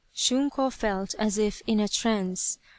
' Shunko felt as if in a trance.